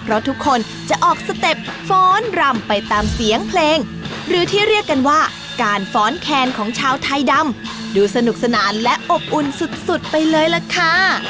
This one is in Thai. เพราะทุกคนจะออกสเต็ปฟ้อนรำไปตามเสียงเพลงหรือที่เรียกกันว่าการฟ้อนแคนของชาวไทยดำดูสนุกสนานและอบอุ่นสุดไปเลยล่ะค่ะ